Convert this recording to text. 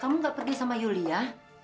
kamu gak pergi sama yulia